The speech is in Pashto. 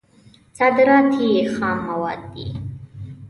صادرات یې خام مواد دي.